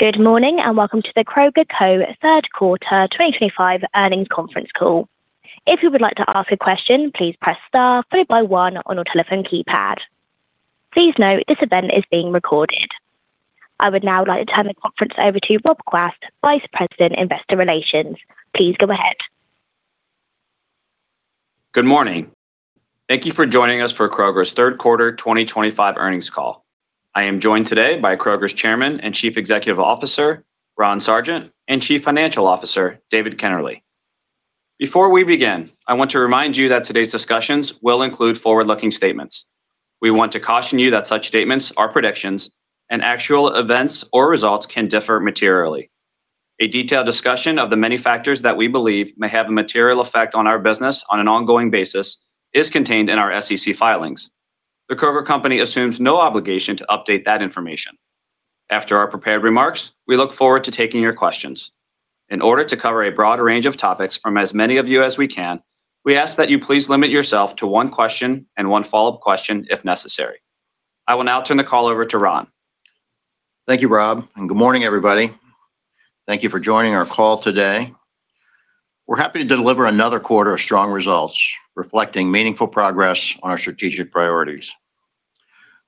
Good morning and welcome to the Kroger Co. third quarter 2025 earnings conference call. If you would like to ask a question, please press star followed by one on your telephone keypad. Please note this event is being recorded. I would now like to turn the conference over to Rob Quast, Vice President, Investor Relations. Please go ahead. Good morning. Thank you for joining us for Kroger's third quarter 2025 earnings call. I am joined today by Kroger's Chairman and Chief Executive Officer, Ron Sargent, and Chief Financial Officer, David Kennerley. Before we begin, I want to remind you that today's discussions will include forward-looking statements. We want to caution you that such statements are predictions, and actual events or results can differ materially. A detailed discussion of the many factors that we believe may have a material effect on our business on an ongoing basis is contained in our SEC filings. The Kroger Company assumes no obligation to update that information. After our prepared remarks, we look forward to taking your questions. In order to cover a broad range of topics from as many of you as we can, we ask that you please limit yourself to one question and one follow-up question if necessary. I will now turn the call over to Ron. Thank you, Rob, and good morning, everybody. Thank you for joining our call today. We're happy to deliver another quarter of strong results reflecting meaningful progress on our strategic priorities.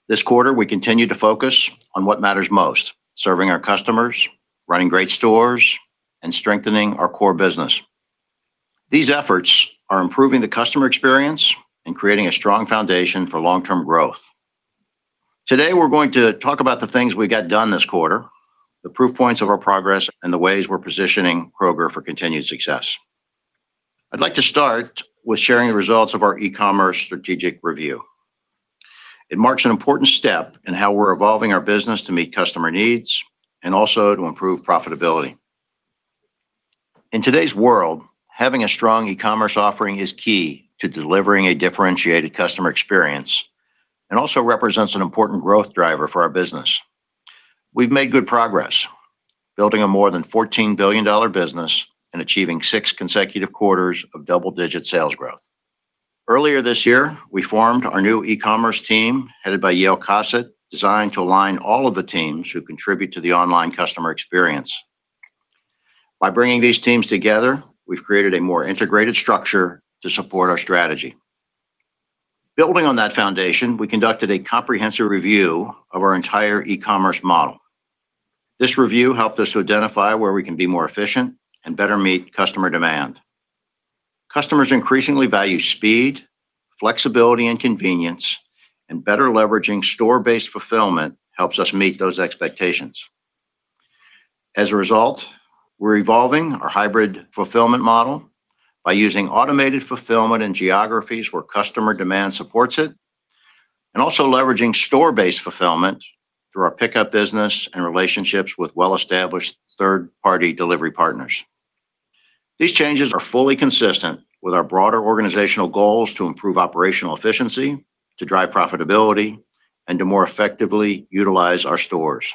This quarter, we continue to focus on what matters most: serving our customers, running great stores, and strengthening our core business. These efforts are improving the customer experience and creating a strong foundation for long-term growth. Today, we're going to talk about the things we got done this quarter, the proof points of our progress, and the ways we're positioning Kroger for continued success. I'd like to start with sharing the results of our e-commerce strategic review. It marks an important step in how we're evolving our business to meet customer needs and also to improve profitability. In today's world, having a strong e-commerce offering is key to delivering a differentiated customer experience and also represents an important growth driver for our business. We've made good progress, building a more than $14 billion business and achieving six consecutive quarters of double-digit sales growth. Earlier this year, we formed our new e-commerce team headed by Yael Cosset, designed to align all of the teams who contribute to the online customer experience. By bringing these teams together, we've created a more integrated structure to support our strategy. Building on that foundation, we conducted a comprehensive review of our entire e-commerce model. This review helped us to identify where we can be more efficient and better meet customer demand. Customers increasingly value speed, flexibility, and convenience, and better leveraging store-based fulfillment helps us meet those expectations. As a result, we're evolving our hybrid fulfillment model by using automated fulfillment in geographies where customer demand supports it and also leveraging store-based fulfillment through our Pickup business and relationships with well-established third-party delivery partners. These changes are fully consistent with our broader organizational goals to improve operational efficiency, to drive profitability, and to more effectively utilize our stores.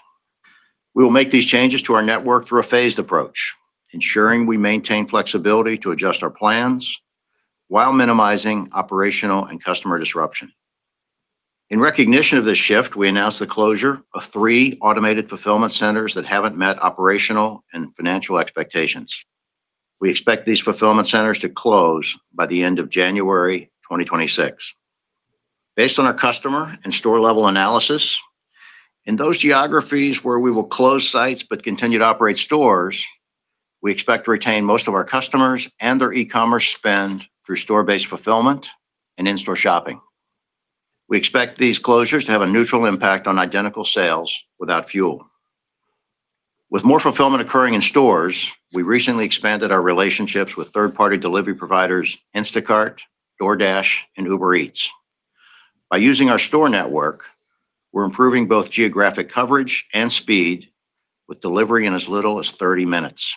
We will make these changes to our network through a phased approach, ensuring we maintain flexibility to adjust our plans while minimizing operational and customer disruption. In recognition of this shift, we announced the closure of three automated fulfillment centers that haven't met operational and financial expectations. We expect these fulfillment centers to close by the end of January 2026. Based on our customer and store-level analysis, in those geographies where we will close sites but continue to operate stores, we expect to retain most of our customers and their e-commerce spend through store-based fulfillment and in-store shopping. We expect these closures to have a neutral impact on Identical Sales without fuel. With more fulfillment occurring in stores, we recently expanded our relationships with third-party delivery providers Instacart, DoorDash, and Uber Eats. By using our store network, we're improving both geographic coverage and speed with delivery in as little as 30 minutes.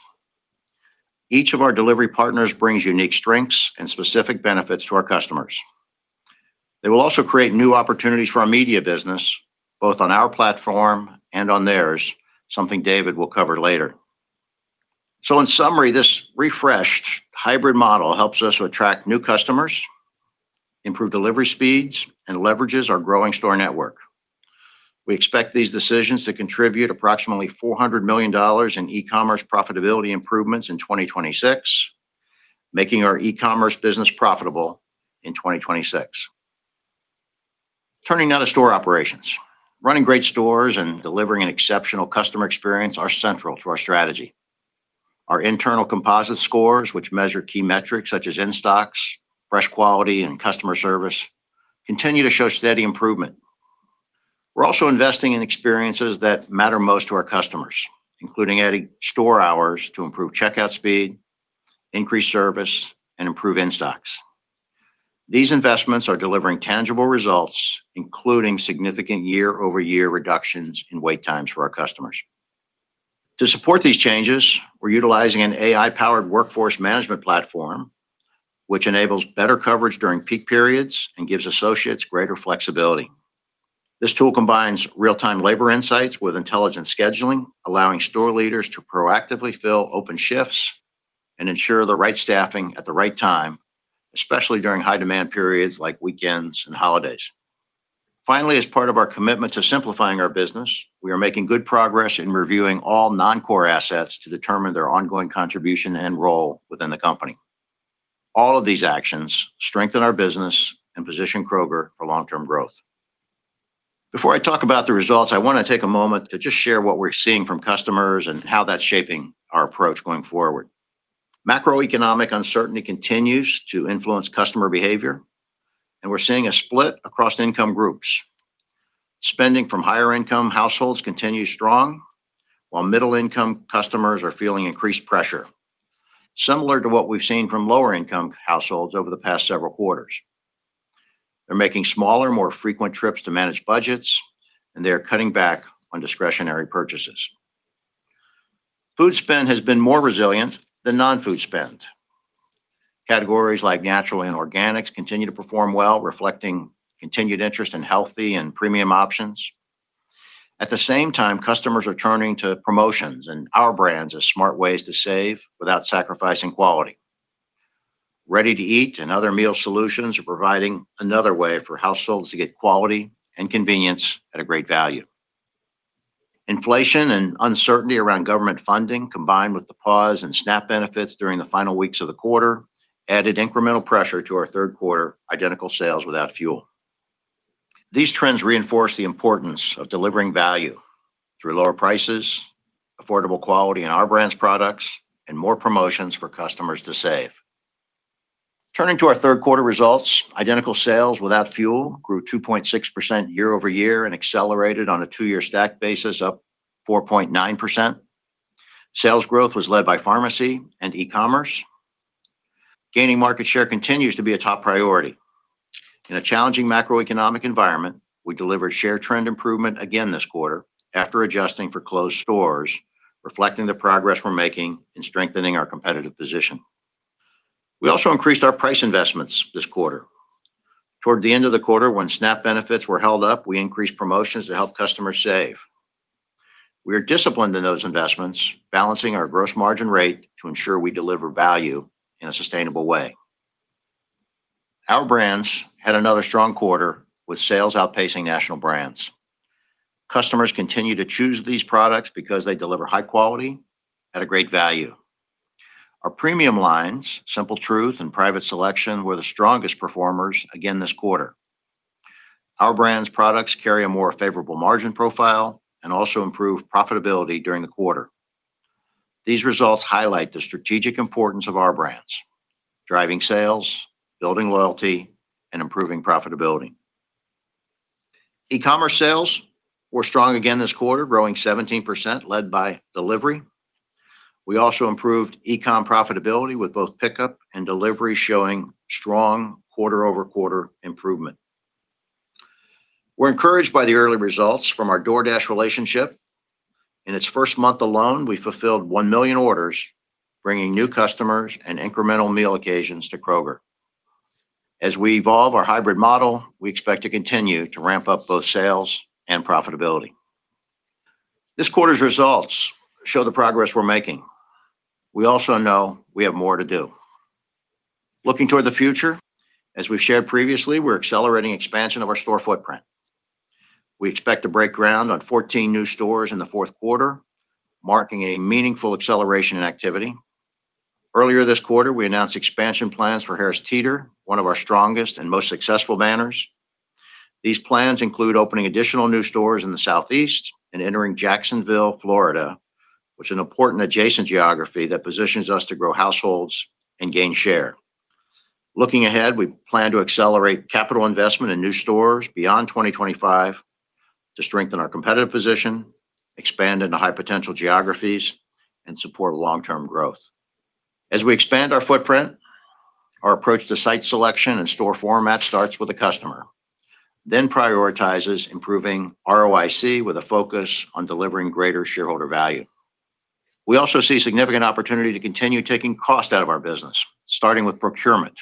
Each of our delivery partners brings unique strengths and specific benefits to our customers. They will also create new opportunities for our media business, both on our platform and on theirs, something David will cover later. So, in summary, this refreshed hybrid model helps us attract new customers, improve delivery speeds, and leverages our growing store network. We expect these decisions to contribute approximately $400 million in e-commerce profitability improvements in 2026, making our e-commerce business profitable in 2026. Turning now to store operations. Running great stores and delivering an exceptional customer experience are central to our strategy. Our internal composite scores, which measure key metrics such as in-stocks, fresh quality, and customer service, continue to show steady improvement. We're also investing in experiences that matter most to our customers, including adding store hours to improve checkout speed, increase service, and improve in-stocks. These investments are delivering tangible results, including significant year-over-year reductions in wait times for our customers. To support these changes, we're utilizing an AI-powered workforce management platform, which enables better coverage during peak periods and gives associates greater flexibility. This tool combines real-time labor insights with intelligent scheduling, allowing store leaders to proactively fill open shifts and ensure the right staffing at the right time, especially during high-demand periods like weekends and holidays. Finally, as part of our commitment to simplifying our business, we are making good progress in reviewing all non-core assets to determine their ongoing contribution and role within the company. All of these actions strengthen our business and position Kroger for long-term growth. Before I talk about the results, I want to take a moment to just share what we're seeing from customers and how that's shaping our approach going forward. Macroeconomic uncertainty continues to influence customer behavior, and we're seeing a split across income groups. Spending from higher-income households continues strong, while middle-income customers are feeling increased pressure, similar to what we've seen from lower-income households over the past several quarters. They're making smaller, more frequent trips to manage budgets, and they are cutting back on discretionary purchases. Food spend has been more resilient than non-food spend. Categories like natural and organics continue to perform well, reflecting continued interest in healthy and premium options. At the same time, customers are turning to promotions and Our Brands as smart ways to save without sacrificing quality. Ready-to-eat and other meal solutions are providing another way for households to get quality and convenience at a great value. Inflation and uncertainty around government funding, combined with the pause in SNAP benefits during the final weeks of the quarter, added incremental pressure to our third quarter Identical Sales without fuel. These trends reinforce the importance of delivering value through lower prices, affordable quality in Our Brands' products, and more promotions for customers to save. Turning to our third quarter results, Identical Sales without fuel grew 2.6% year-over-year and accelerated on a two-year stack basis up 4.9%. Sales growth was led by pharmacy and e-commerce. Gaining market share continues to be a top priority. In a challenging macroeconomic environment, we delivered share trend improvement again this quarter after adjusting for closed stores, reflecting the progress we're making in strengthening our competitive position. We also increased our price investments this quarter. Toward the end of the quarter, when SNAP benefits were held up, we increased promotions to help customers save. We are disciplined in those investments, balancing our gross margin rate to ensure we deliver value in a sustainable way. Our Brands had another strong quarter with sales outpacing national brands. Customers continue to choose these products because they deliver high quality at a great value. Our premium lines, Simple Truth and Private Selection, were the strongest performers again this quarter. Our Brands' products carry a more favorable margin profile and also improve profitability during the quarter. These results highlight the strategic importance of Our Brands: driving sales, building loyalty, and improving profitability. E-commerce sales were strong again this quarter, growing 17%, led by delivery. We also improved e-com profitability with both Pickup and Delivery showing strong quarter-over-quarter improvement. We're encouraged by the early results from our DoorDash relationship. In its first month alone, we fulfilled 1 million orders, bringing new customers and incremental meal occasions to Kroger. As we evolve our hybrid model, we expect to continue to ramp up both sales and profitability. This quarter's results show the progress we're making. We also know we have more to do. Looking toward the future, as we've shared previously, we're accelerating expansion of our store footprint. We expect to break ground on 14 new stores in the fourth quarter, marking a meaningful acceleration in activity. Earlier this quarter, we announced expansion plans for Harris Teeter, one of our strongest and most successful banners. These plans include opening additional new stores in the Southeast and entering Jacksonville, Florida, which is an important adjacent geography that positions us to grow households and gain share. Looking ahead, we plan to accelerate capital investment in new stores beyond 2025 to strengthen our competitive position, expand into high-potential geographies, and support long-term growth. As we expand our footprint, our approach to site selection and store format starts with the customer, then prioritizes improving ROIC with a focus on delivering greater shareholder value. We also see significant opportunity to continue taking cost out of our business, starting with procurement.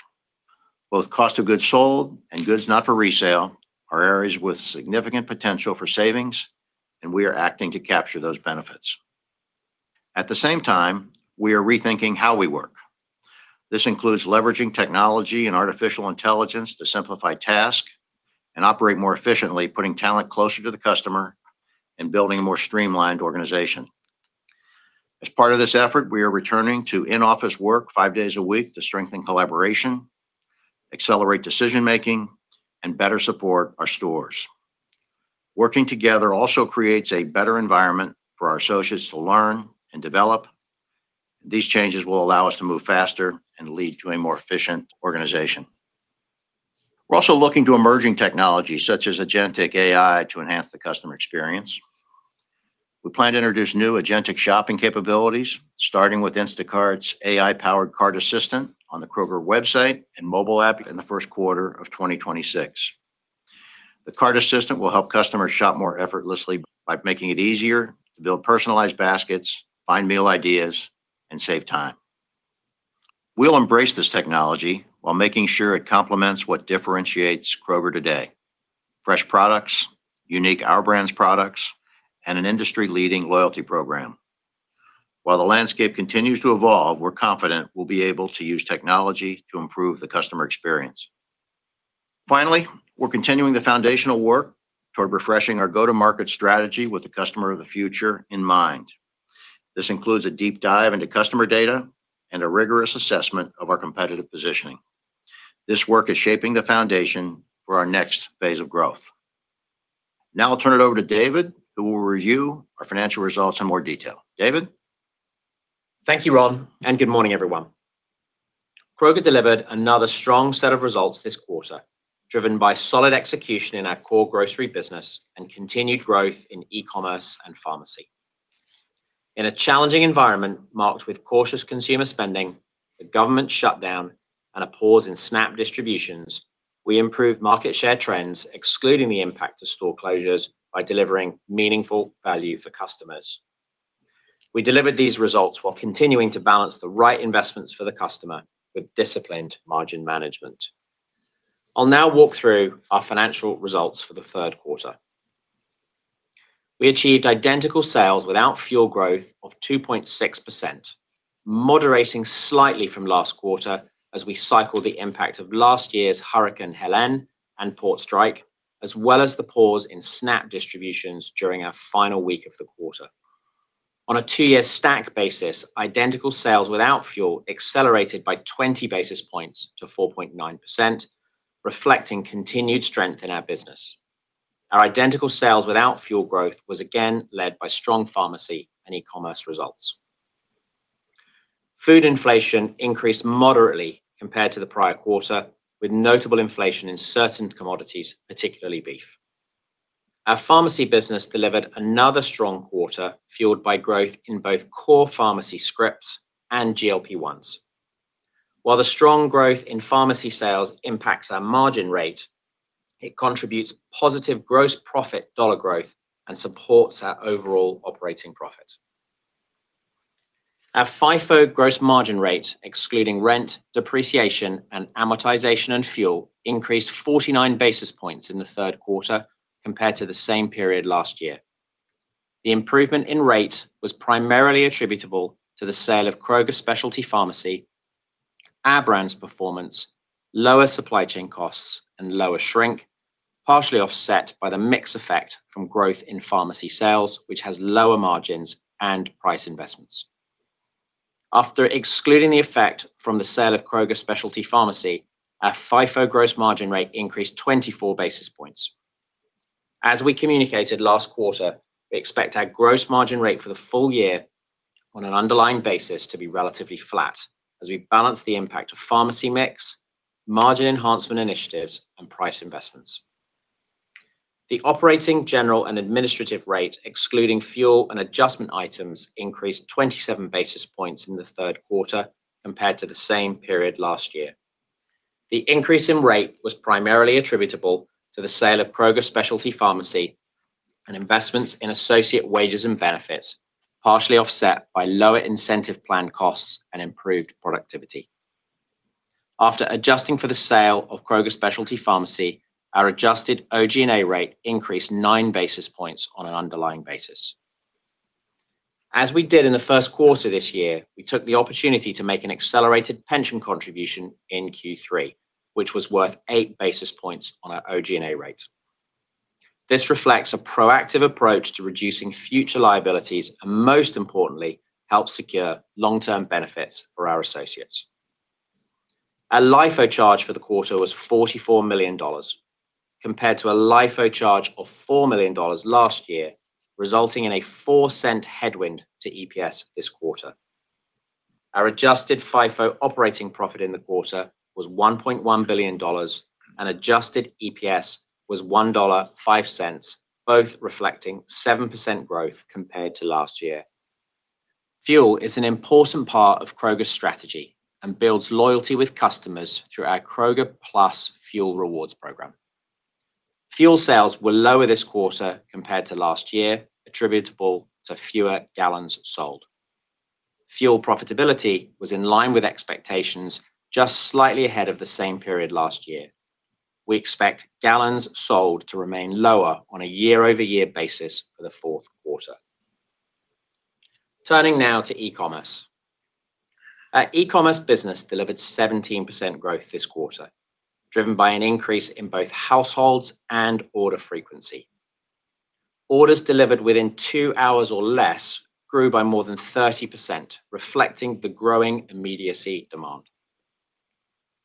Both cost of goods sold and goods not for resale are areas with significant potential for savings, and we are acting to capture those benefits. At the same time, we are rethinking how we work. This includes leveraging technology and artificial intelligence to simplify tasks and operate more efficiently, putting talent closer to the customer and building a more streamlined organization. As part of this effort, we are returning to in-office work five days a week to strengthen collaboration, accelerate decision-making, and better support our stores. Working together also creates a better environment for our associates to learn and develop. These changes will allow us to move faster and lead to a more efficient organization. We're also looking to emerging technologies such as agentic AI to enhance the customer experience. We plan to introduce new agentic shopping capabilities, starting with Instacart's AI-powered cart assistant on the Kroger website and mobile app in the first quarter of 2026. The cart assistant will help customers shop more effortlessly by making it easier to build personalized baskets, find meal ideas, and save time. We'll embrace this technology while making sure it complements what differentiates Kroger today: fresh products, unique Our Brands products, and an industry-leading loyalty program. While the landscape continues to evolve, we're confident we'll be able to use technology to improve the customer experience. Finally, we're continuing the foundational work toward refreshing our go-to-market strategy with the customer of the future in mind. This includes a deep dive into customer data and a rigorous assessment of our competitive positioning. This work is shaping the foundation for our next phase of growth. Now I'll turn it over to David, who will review our financial results in more detail. David? Thank you, Ron, and good morning, everyone. Kroger delivered another strong set of results this quarter, driven by solid execution in our core grocery business and continued growth in e-commerce and pharmacy. In a challenging environment marked with cautious consumer spending, the government shutdown, and a pause in SNAP distributions, we improved market share trends, excluding the impact of store closures, by delivering meaningful value for customers. We delivered these results while continuing to balance the right investments for the customer with disciplined margin management. I'll now walk through our financial results for the third quarter. We achieved Identical Sales without fuel growth of 2.6%, moderating slightly from last quarter as we cycled the impact of last year's Hurricane Helene and port strike, as well as the pause in SNAP distributions during our final week of the quarter. On a two-year stack basis, Identical Sales without fuel accelerated by 20 basis points to 4.9%, reflecting continued strength in our business. Our Identical Sales without fuel growth was again led by strong pharmacy and e-commerce results. Food inflation increased moderately compared to the prior quarter, with notable inflation in certain commodities, particularly beef. Our pharmacy business delivered another strong quarter fueled by growth in both core pharmacy scripts and GLP-1s. While the strong growth in pharmacy sales impacts our margin rate, it contributes positive gross profit dollar growth and supports our overall operating profit. Our FIFO gross margin rate, excluding rent, depreciation, and amortization and fuel, increased 49 basis points in the third quarter compared to the same period last year. The improvement in rate was primarily attributable to the sale of Kroger Specialty Pharmacy, Our Brands' performance, lower supply chain costs, and lower shrink, partially offset by the mix effect from growth in pharmacy sales, which has lower margins and price investments. After excluding the effect from the sale of Kroger Specialty Pharmacy, our FIFO gross margin rate increased 24 basis points. As we communicated last quarter, we expect our gross margin rate for the full year on an underlying basis to be relatively flat as we balance the impact of pharmacy mix, margin enhancement initiatives, and price investments. The operating, general, and administrative rate, excluding fuel and adjustment items, increased 27 basis points in the third quarter compared to the same period last year. The increase in rate was primarily attributable to the sale of Kroger Specialty Pharmacy and investments in associate wages and benefits, partially offset by lower incentive plan costs and improved productivity. After adjusting for the sale of Kroger Specialty Pharmacy, our Adjusted OG&A rate increased 9 basis points on an underlying basis. As we did in the first quarter this year, we took the opportunity to make an accelerated pension contribution in Q3, which was worth 8 basis points on our OG&A rate. This reflects a proactive approach to reducing future liabilities and, most importantly, helps secure long-term benefits for our associates. Our LIFO charge for the quarter was $44 million, compared to a LIFO charge of $4 million last year, resulting in a $0.04 headwind to EPS this quarter. Our Adjusted FIFO Operating Profit in the quarter was $1.1 billion, and Adjusted EPS was $1.05, both reflecting 7% growth compared to last year. Fuel is an important part of Kroger's strategy and builds loyalty with customers through our Kroger Plus fuel rewards program. Fuel sales were lower this quarter compared to last year, attributable to fewer gallons sold. Fuel profitability was in line with expectations, just slightly ahead of the same period last year. We expect gallons sold to remain lower on a year-over-year basis for the fourth quarter. Turning now to e-commerce. Our e-commerce business delivered 17% growth this quarter, driven by an increase in both households and order frequency. Orders delivered within two hours or less grew by more than 30%, reflecting the growing immediacy demand.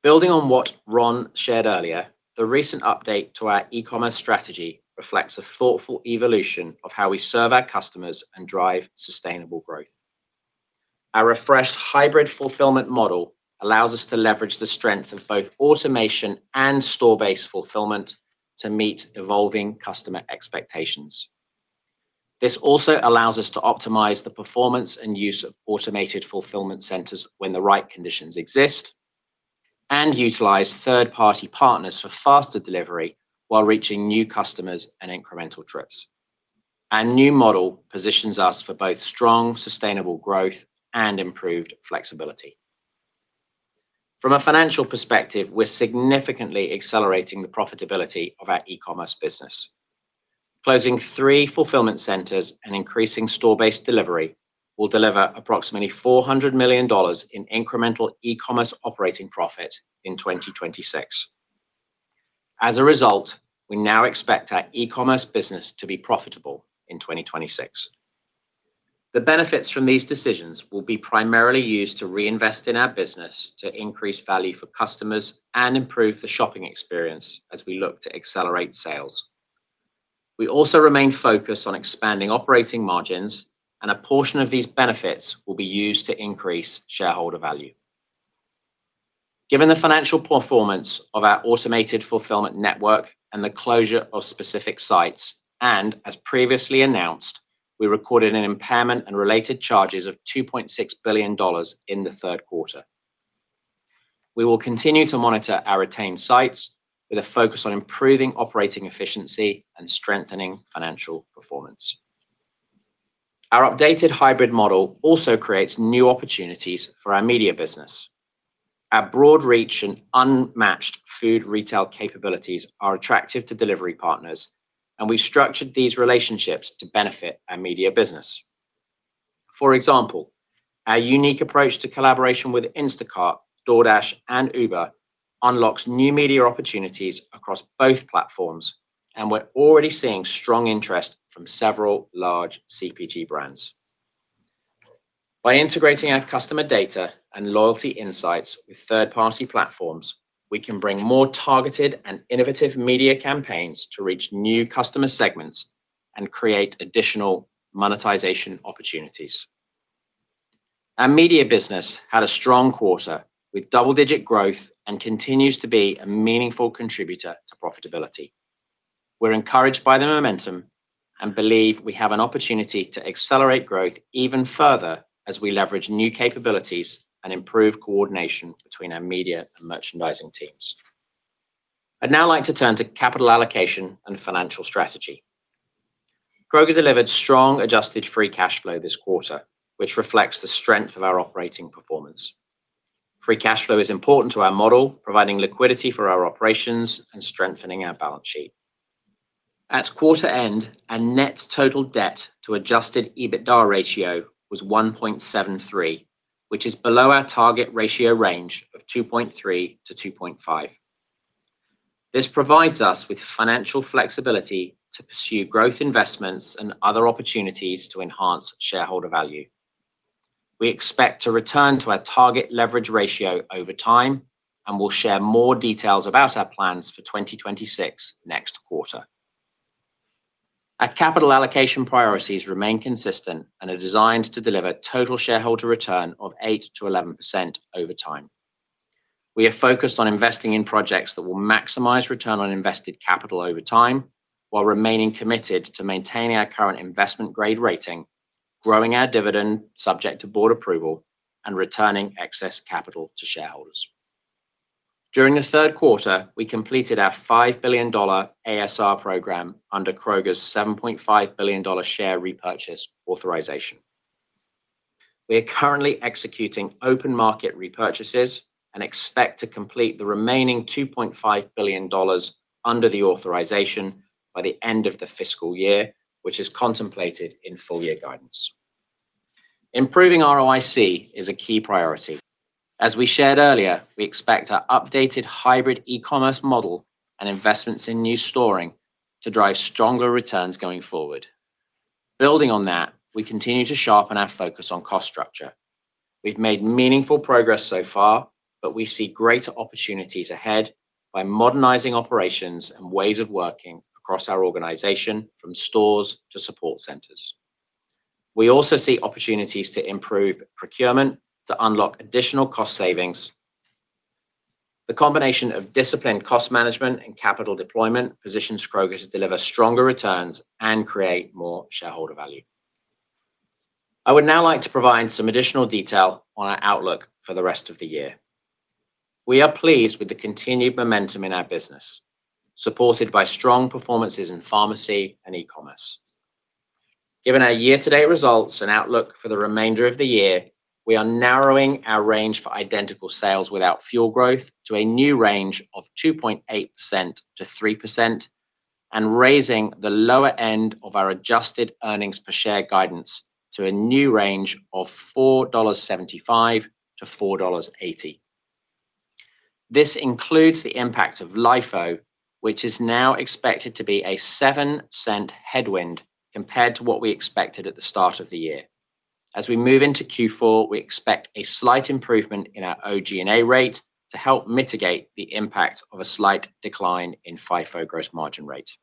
Building on what Ron shared earlier, the recent update to our e-commerce strategy reflects a thoughtful evolution of how we serve our customers and drive sustainable growth. Our refreshed hybrid fulfillment model allows us to leverage the strength of both automation and store-based fulfillment to meet evolving customer expectations. This also allows us to optimize the performance and use of automated fulfillment centers when the right conditions exist and utilize third-party partners for faster delivery while reaching new customers and incremental trips. Our new model positions us for both strong, sustainable growth and improved flexibility. From a financial perspective, we're significantly accelerating the profitability of our e-commerce business. Closing three fulfillment centers and increasing store-based delivery will deliver approximately $400 million in incremental e-commerce operating profit in 2026. As a result, we now expect our e-commerce business to be profitable in 2026. The benefits from these decisions will be primarily used to reinvest in our business, to increase value for customers, and improve the shopping experience as we look to accelerate sales. We also remain focused on expanding operating margins, and a portion of these benefits will be used to increase shareholder value. Given the financial performance of our automated fulfillment network and the closure of specific sites, and as previously announced, we recorded an impairment and related charges of $2.6 billion in the third quarter. We will continue to monitor our retained sites with a focus on improving operating efficiency and strengthening financial performance. Our updated hybrid model also creates new opportunities for our media business. Our broad reach and unmatched food retail capabilities are attractive to delivery partners, and we've structured these relationships to benefit our media business. For example, our unique approach to collaboration with Instacart, DoorDash, and Uber unlocks new media opportunities across both platforms, and we're already seeing strong interest from several large CPG brands. By integrating our customer data and loyalty insights with third-party platforms, we can bring more targeted and innovative media campaigns to reach new customer segments and create additional monetization opportunities. Our media business had a strong quarter with double-digit growth and continues to be a meaningful contributor to profitability. We're encouraged by the momentum and believe we have an opportunity to accelerate growth even further as we leverage new capabilities and improve coordination between our media and merchandising teams. I'd now like to turn to capital allocation and financial strategy. Kroger delivered strong Adjusted Free Cash Flow this quarter, which reflects the strength of our operating performance. Free cash flow is important to our model, providing liquidity for our operations and strengthening our balance sheet. At quarter end, our net total debt to Adjusted EBITDA ratio was 1.73x, which is below our target ratio range of 2.3x-2.5x. This provides us with financial flexibility to pursue growth investments and other opportunities to enhance shareholder value. We expect to return to our target leverage ratio over time and will share more details about our plans for 2026 next quarter. Our capital allocation priorities remain consistent and are designed to deliver total shareholder return of 8%-11% over time. We are focused on investing in projects that will maximize return on invested capital over time while remaining committed to maintaining our current investment grade rating, growing our dividend subject to board approval, and returning excess capital to shareholders. During the third quarter, we completed our $5 billion ASR program under Kroger's $7.5 billion share repurchase authorization. We are currently executing open market repurchases and expect to complete the remaining $2.5 billion under the authorization by the end of the fiscal year, which is contemplated in full year guidance. Improving ROIC is a key priority. As we shared earlier, we expect our updated hybrid e-commerce model and investments in new stores to drive stronger returns going forward. Building on that, we continue to sharpen our focus on cost structure. We've made meaningful progress so far, but we see greater opportunities ahead by modernizing operations and ways of working across our organization, from stores to support centers. We also see opportunities to improve procurement to unlock additional cost savings. The combination of disciplined cost management and capital deployment positions Kroger to deliver stronger returns and create more shareholder value. I would now like to provide some additional detail on our outlook for the rest of the year. We are pleased with the continued momentum in our business, supported by strong performances in pharmacy and e-commerce. Given our year-to-date results and outlook for the remainder of the year, we are narrowing our range for Identical Sales without fuel growth to a new range of 2.8%-3% and raising the lower end of our Adjusted Earnings Per Share guidance to a new range of $4.75-$4.80. This includes the impact of LIFO, which is now expected to be a 7% headwind compared to what we expected at the start of the year. As we move into Q4, we expect a slight improvement in our OG&A rate to help mitigate the impact of a slight decline in FIFO gross margin rate.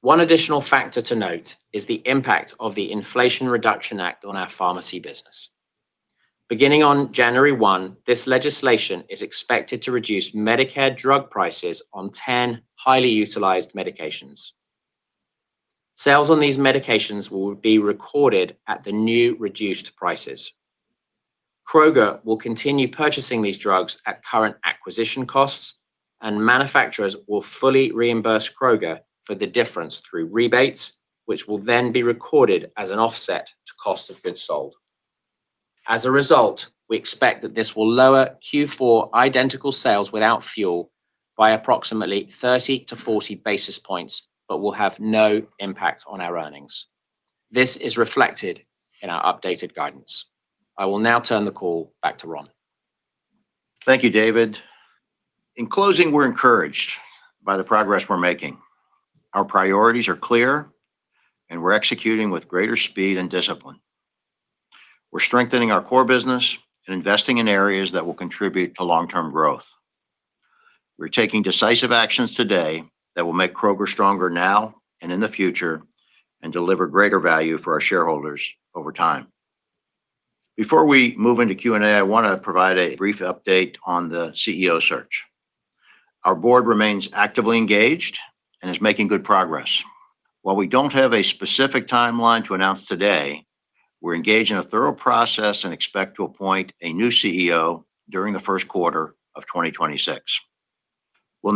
One additional factor to note is the impact of the Inflation Reduction Act on our pharmacy business. Beginning on January 1, this legislation is expected to reduce Medicare drug prices on 10 highly utilized medications. Sales on these medications will be recorded at the new reduced prices. Kroger will continue purchasing these drugs at current acquisition costs, and manufacturers will fully reimburse Kroger for the difference through rebates, which will then be recorded as an offset to cost of goods sold. As a result, we expect that this will lower Q4 Identical Sales without fuel by approximately 30 basis points-40 basis points, but will have no impact on our earnings. This is reflected in our updated guidance. I will now turn the call back to Ron. Thank you, David. In closing, we're encouraged by the progress we're making. Our priorities are clear, and we're executing with greater speed and discipline. We're strengthening our core business and investing in areas that will contribute to long-term growth. We're taking decisive actions today that will make Kroger stronger now and in the future and deliver greater value for our shareholders over time. Before we move into Q&A, I want to provide a brief update on the CEO search. Our board remains actively engaged and is making good progress. While we don't have a specific timeline to announce today, we're engaged in a thorough process and expect to appoint a new CEO during the first quarter of 2026. We'll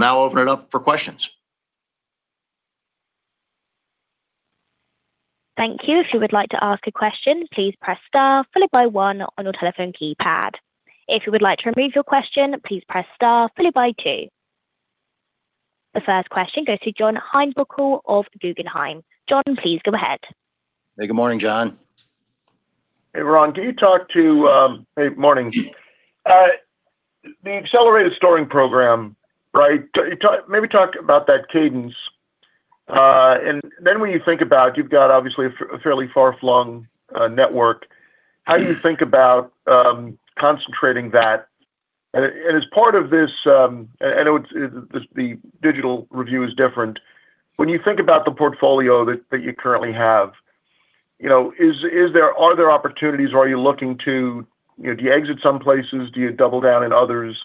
now open it up for questions. Thank you. If you would like to ask a question, please press star followed by one on your telephone keypad. If you would like to remove your question, please press star followed by two. The first question goes to John Heinbockel of Guggenheim. John, please go ahead. Hey, good morning, John. Ron. Can you talk about the accelerated sourcing program, right? Maybe talk about that cadence. And then when you think about you've got, obviously, a fairly far-flung network. How do you think about concentrating that? And as part of this, I know the digital review is different. When you think about the portfolio that you currently have, are there opportunities? Are you looking to exit some places? Do you double down in others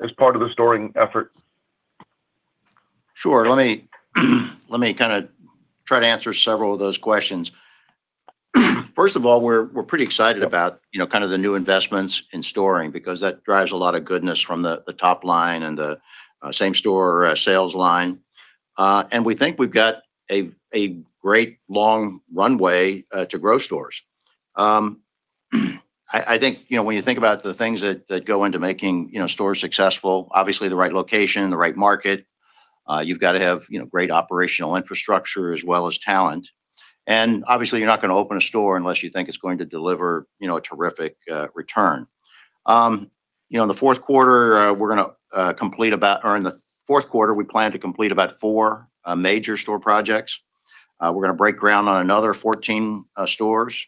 as part of the stores effort? Sure. Let me kind of try to answer several of those questions. First of all, we're pretty excited about kind of the new investments in stores because that drives a lot of goodness from the top line and the same-store sales line. And we think we've got a great long runway to grow stores. I think when you think about the things that go into making stores successful, obviously, the right location, the right market, you've got to have great operational infrastructure as well as talent. And obviously, you're not going to open a store unless you think it's going to deliver a terrific return. In the fourth quarter, we plan to complete about four major store projects. We're going to break ground on another 14 stores.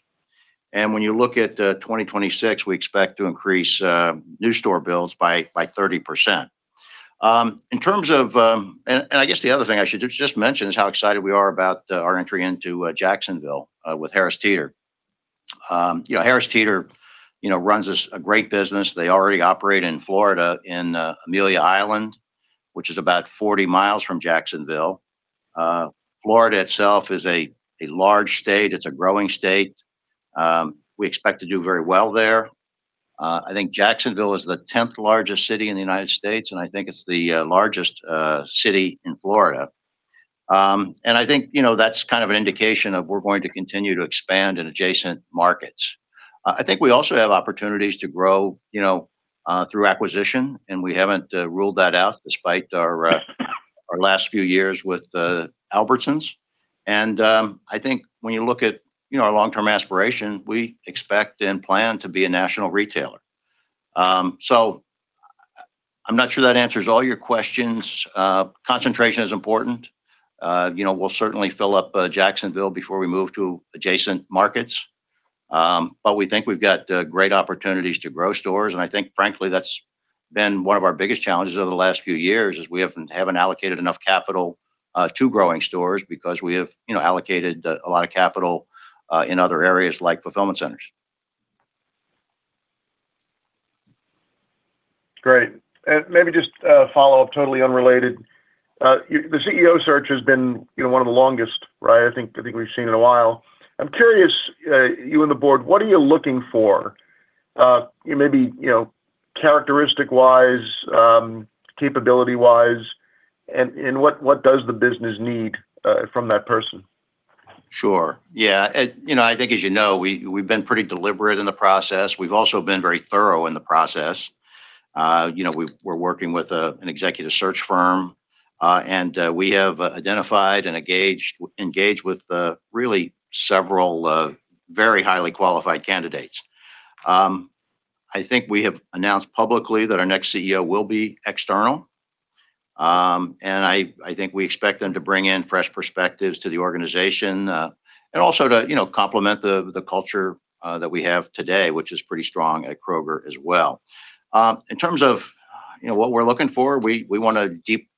When you look at 2026, we expect to increase new store builds by 30%. I guess the other thing I should just mention is how excited we are about our entry into Jacksonville with Harris Teeter. Harris Teeter runs a great business. They already operate in Florida in Amelia Island, which is about 40 mi from Jacksonville. Florida itself is a large state. It's a growing state. We expect to do very well there. I think Jacksonville is the 10th largest city in the United States, and I think it's the largest city in Florida. I think that's kind of an indication that we're going to continue to expand in adjacent markets. I think we also have opportunities to grow through acquisition, and we haven't ruled that out despite our last few years with Albertsons, and I think when you look at our long-term aspiration, we expect and plan to be a national retailer, so I'm not sure that answers all your questions. Concentration is important. We'll certainly fill up Jacksonville before we move to adjacent markets, but we think we've got great opportunities to grow stores, and I think, frankly, that's been one of our biggest challenges over the last few years is we haven't allocated enough capital to growing stores because we have allocated a lot of capital in other areas like fulfillment centers. Great, and maybe just a follow-up, totally unrelated. The CEO search has been one of the longest, right? I think we've seen in a while. I'm curious, you and the board, what are you looking for? Maybe characteristic-wise, capability-wise, and what does the business need from that person? Sure. Yeah. I think, as you know, we've been pretty deliberate in the process. We've also been very thorough in the process. We're working with an executive search firm, and we have identified and engaged with really several very highly qualified candidates. I think we have announced publicly that our next CEO will be external. And I think we expect them to bring in fresh perspectives to the organization and also to complement the culture that we have today, which is pretty strong at Kroger as well. In terms of what we're looking for, we want a deep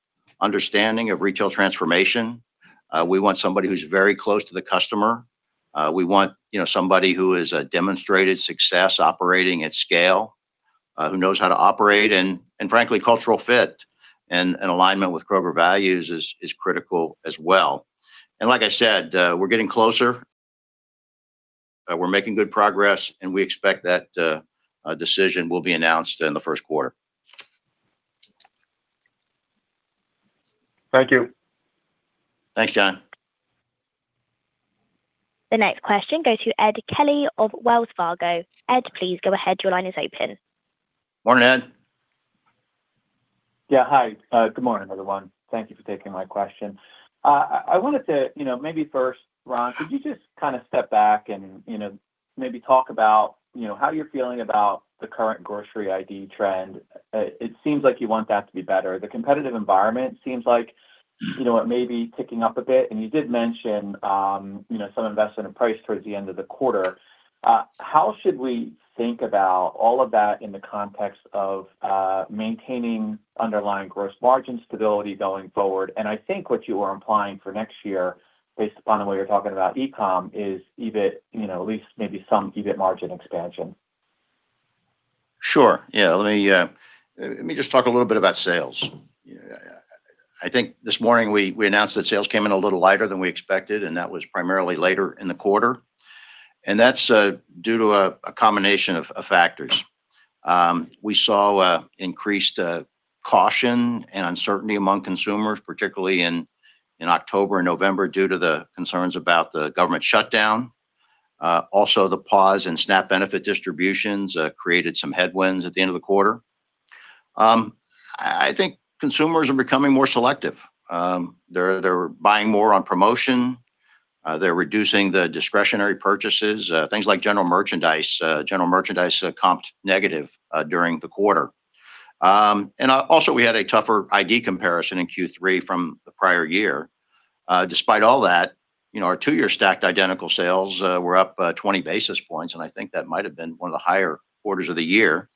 understanding of retail transformation. We want somebody who's very close to the customer. We want somebody who has demonstrated success operating at scale, who knows how to operate. And frankly, cultural fit and alignment with Kroger values is critical as well. And like I said, we're getting closer. We're making good progress, and we expect that decision will be announced in the first quarter. Thank you. Thanks, John. The next question goes to Ed Kelly of Wells Fargo. Ed, please go ahead. Your line is open. Morning, Ed. Yeah. Hi. Good morning, everyone. Thank you for taking my question. I wanted to maybe first, Ron, could you just kind of step back and maybe talk about how you're feeling about the current grocery ID trend? It seems like you want that to be better. The competitive environment seems like it may be ticking up a bit. And you did mention some investment in price towards the end of the quarter. How should we think about all of that in the context of maintaining underlying gross margin stability going forward? And I think what you are implying for next year, based upon the way you're talking about e-com, is at least maybe some EBIT margin expansion. Sure. Yeah. Let me just talk a little bit about sales. I think this morning we announced that sales came in a little lighter than we expected, and that was primarily later in the quarter. And that's due to a combination of factors. We saw increased caution and uncertainty among consumers, particularly in October and November due to the concerns about the government shutdown. Also, the pause in SNAP benefit distributions created some headwinds at the end of the quarter. I think consumers are becoming more selective. They're buying more on promotion. They're reducing the discretionary purchases. Things like general merchandise comped negative during the quarter. And also, we had a tougher ID comparison in Q3 from the prior year. Despite all that, our two-year stacked Identical Sales were up 20 basis points, and I think that might have been one of the higher quarters of the year.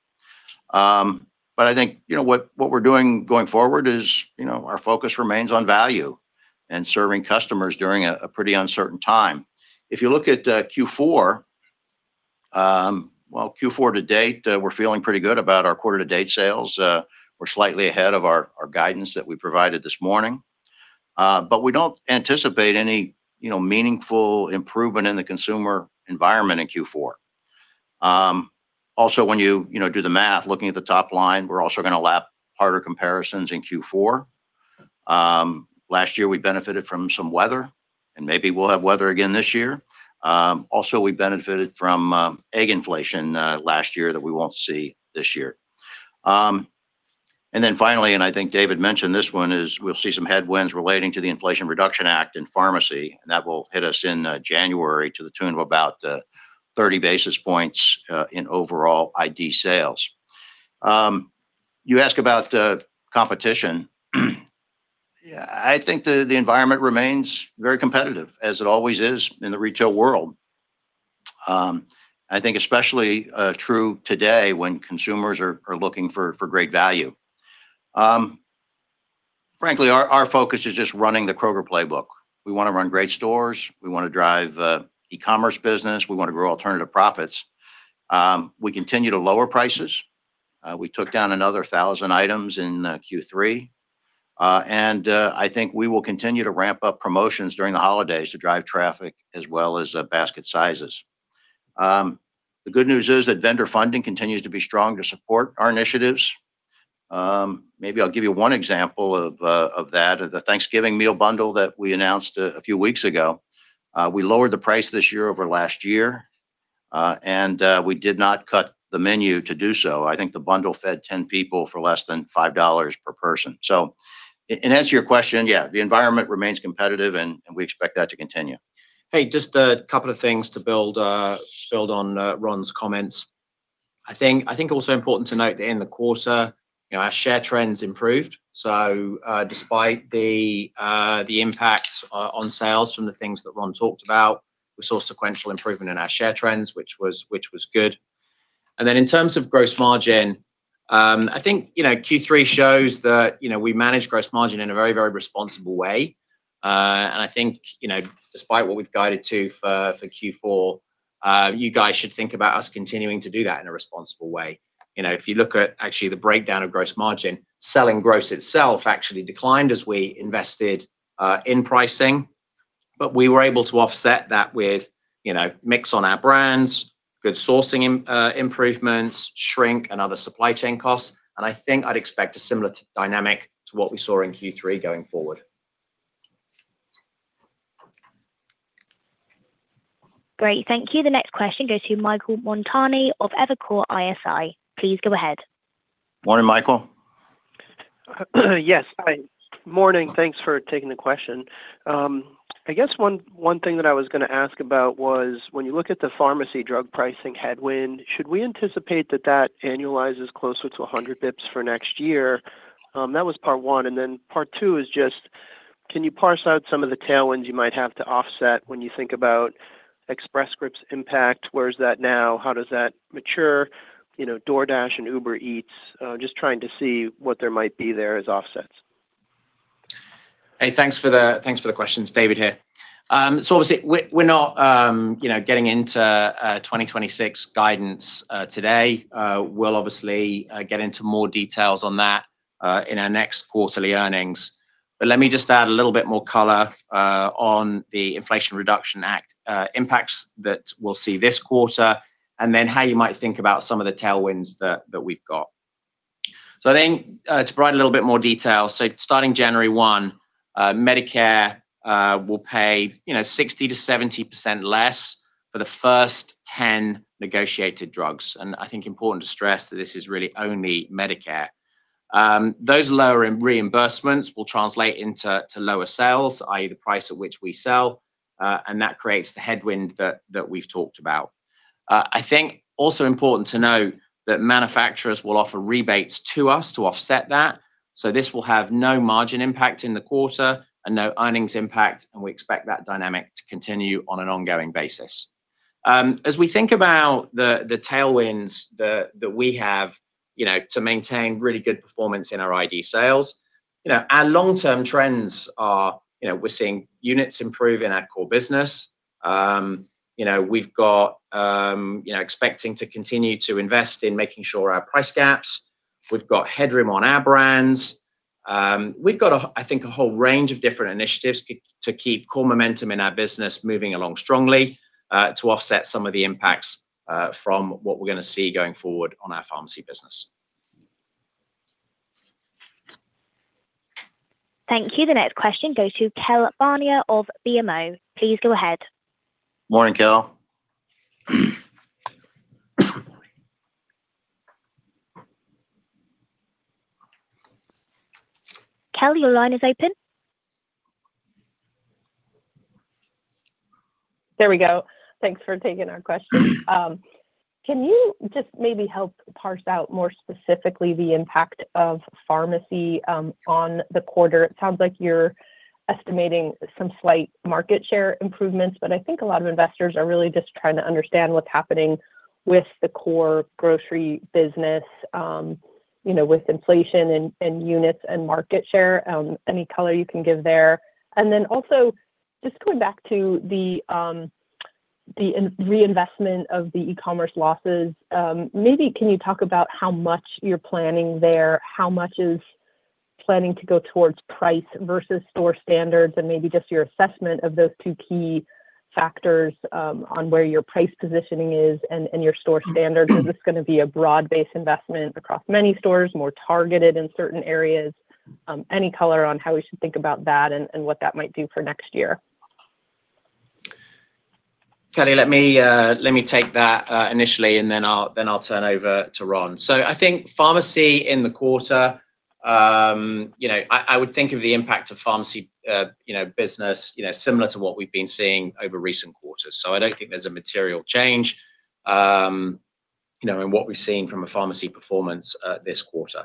But I think what we're doing going forward is our focus remains on value and serving customers during a pretty uncertain time. If you look at Q4, well, Q4 to date, we're feeling pretty good about our quarter-to-date sales. We're slightly ahead of our guidance that we provided this morning. But we don't anticipate any meaningful improvement in the consumer environment in Q4. Also, when you do the math, looking at the top line, we're also going to lap harder comparisons in Q4. Last year, we benefited from some weather, and maybe we'll have weather again this year. Also, we benefited from egg inflation last year that we won't see this year. And then finally, and I think David mentioned this one, is we'll see some headwinds relating to the Inflation Reduction Act in pharmacy, and that will hit us in January to the tune of about 30 basis points in overall ID sales. You ask about competition. I think the environment remains very competitive, as it always is in the retail world. I think especially true today when consumers are looking for great value. Frankly, our focus is just running the Kroger playbook. We want to run great stores. We want to drive e-commerce business. We want to grow alternative profits. We continue to lower prices. We took down another 1,000 items in Q3. And I think we will continue to ramp up promotions during the holidays to drive traffic as well as basket sizes. The good news is that vendor funding continues to be strong to support our initiatives. Maybe I'll give you one example of that, of the Thanksgiving meal bundle that we announced a few weeks ago. We lowered the price this year over last year, and we did not cut the menu to do so. I think the bundle fed 10 people for less than $5 per person. So in answer to your question, yeah, the environment remains competitive, and we expect that to continue. Hey, just a couple of things to build on Ron's comments. I think also important to note that in the quarter, our share trends improved. So despite the impact on sales from the things that Ron talked about, we saw sequential improvement in our share trends, which was good. And then in terms of gross margin, I think Q3 shows that we manage gross margin in a very, very responsible way. And I think despite what we've guided to for Q4, you guys should think about us continuing to do that in a responsible way. If you look at actually the breakdown of gross margin, selling gross itself actually declined as we invested in pricing. But we were able to offset that with mix on Our Brands, good sourcing improvements, shrink, and other supply chain costs. And I think I'd expect a similar dynamic to what we saw in Q3 going forward. Great. Thank you. The next question goes to Michael Montani of Evercore ISI. Please go ahead. Morning, Michael. Yes. Hi. Morning. Thanks for taking the question. I guess one thing that I was going to ask about was when you look at the pharmacy drug pricing headwind, should we anticipate that that annualizes closer to 100 basis points for next year? That was part one, and then part two is just, can you parse out some of the tailwinds you might have to offset when you think about Express Scripts' impact? Where is that now? How does that mature? DoorDash and Uber Eats, just trying to see what there might be there as offsets. Hey, thanks for the questions, David here, so obviously, we're not getting into 2026 guidance today. We'll obviously get into more details on that in our next quarterly earnings, but let me just add a little bit more color on the Inflation Reduction Act impacts that we'll see this quarter, and then how you might think about some of the tailwinds that we've got. I think to provide a little bit more detail, starting January 1, Medicare will pay 60%-70% less for the first 10 negotiated drugs. I think it is important to stress that this is really only Medicare. Those lower reimbursements will translate into lower sales, i.e., the price at which we sell, and that creates the headwind that we've talked about. I think it is also important to note that manufacturers will offer rebates to us to offset that. This will have no margin impact in the quarter and no earnings impact, and we expect that dynamic to continue on an ongoing basis. As we think about the tailwinds that we have to maintain really good performance in our ID sales, our long-term trends are we're seeing units improve in our core business. We've got expecting to continue to invest in making sure our price gaps. We've got headroom on Our Brands. We've got, I think, a whole range of different initiatives to keep core momentum in our business moving along strongly to offset some of the impacts from what we're going to see going forward on our pharmacy business. Thank you. The next question goes to Kell Bania of BMO. Please go ahead. Morning, Kell. Kell, your line is open. There we go. Thanks for taking our question. Can you just maybe help parse out more specifically the impact of pharmacy on the quarter? It sounds like you're estimating some slight market share improvements, but I think a lot of investors are really just trying to understand what's happening with the core grocery business with inflation and units and market share. Any color you can give there. And then also, just going back to the reinvestment of the e-commerce losses, maybe can you talk about how much you're planning there? How much is planning to go towards price versus store standards, and maybe just your assessment of those two key factors on where your price positioning is and your store standards? Is this going to be a broad-based investment across many stores, more targeted in certain areas? Any color on how we should think about that and what that might do for next year? Kelly, let me take that initially, and then I'll turn over to Ron. So I think pharmacy in the quarter. I would think of the impact of pharmacy business similar to what we've been seeing over recent quarters. So I don't think there's a material change in what we've seen from a pharmacy performance this quarter.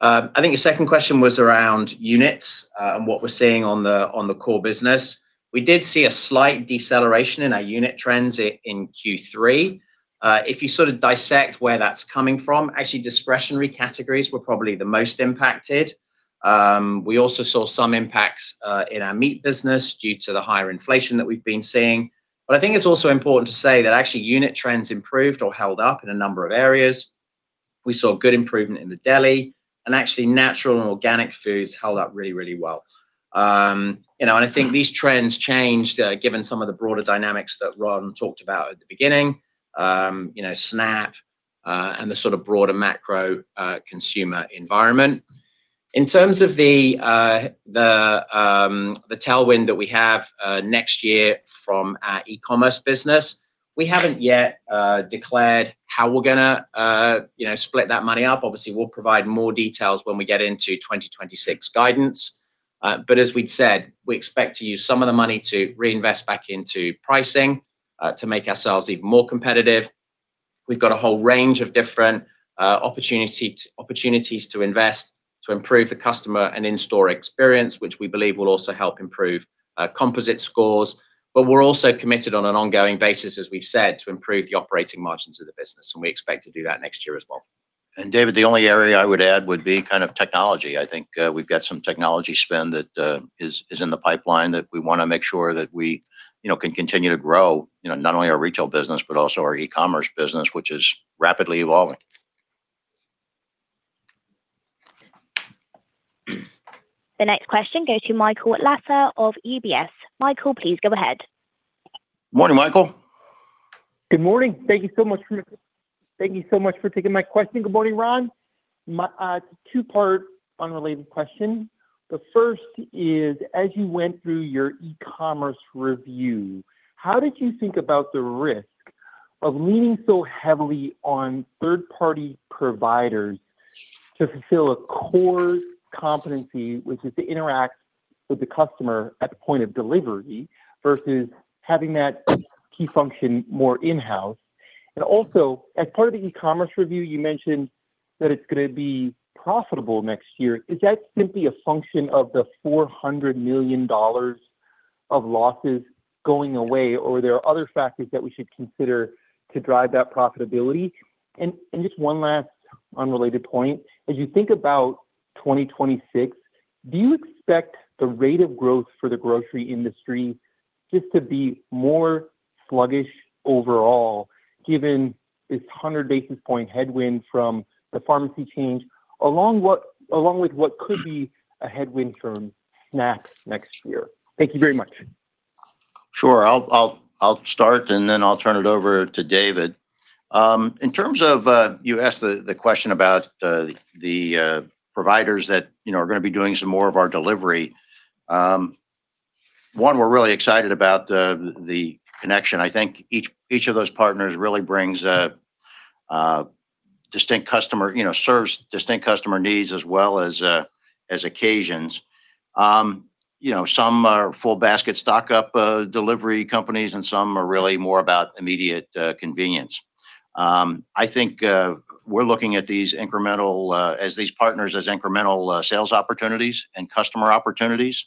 I think your second question was around units and what we're seeing on the core business. We did see a slight deceleration in our unit trends in Q3. If you sort of dissect where that's coming from, actually discretionary categories were probably the most impacted. We also saw some impacts in our meat business due to the higher inflation that we've been seeing. But I think it's also important to say that actually unit trends improved or held up in a number of areas. We saw good improvement in the deli, and actually natural and organic foods held up really, really well. And I think these trends changed given some of the broader dynamics that Ron talked about at the beginning, SNAP, and the sort of broader macro consumer environment. In terms of the tailwind that we have next year from our e-commerce business, we haven't yet declared how we're going to split that money up. Obviously, we'll provide more details when we get into 2026 guidance. But as we'd said, we expect to use some of the money to reinvest back into pricing to make ourselves even more competitive. We've got a whole range of different opportunities to invest to improve the customer and in-store experience, which we believe will also help improve composite scores. But we're also committed on an ongoing basis, as we've said, to improve the operating margins of the business, and we expect to do that next year as well. And David, the only area I would add would be kind of technology. I think we've got some technology spend that is in the pipeline that we want to make sure that we can continue to grow not only our retail business, but also our e-commerce business, which is rapidly evolving. The next question goes to Michael Lasser of UBS. Michael, please go ahead. Morning, Michael. Good morning. Thank you so much for taking my question. Good morning, Ron. It's a two-part unrelated question. The first is, as you went through your e-commerce review, how did you think about the risk of leaning so heavily on third-party providers to fulfill a core competency, which is to interact with the customer at the point of delivery versus having that key function more in-house? And also, as part of the e-commerce review, you mentioned that it's going to be profitable next year. Is that simply a function of the $400 million of losses going away, or are there other factors that we should consider to drive that profitability? And just one last unrelated point. As you think about 2026, do you expect the rate of growth for the grocery industry just to be more sluggish overall, given this 100 basis points headwind from the pharmacy change, along with what could be a headwind from SNAP next year? Thank you very much. Sure. I'll start, and then I'll turn it over to David. In terms of you asked the question about the providers that are going to be doing some more of our delivery. One, we're really excited about the connection. I think each of those partners really brings distinct customer service to distinct customer needs as well as occasions. Some are full basket stock-up delivery companies, and some are really more about immediate convenience. I think we're looking at these incremental as these partners as incremental sales opportunities and customer opportunities.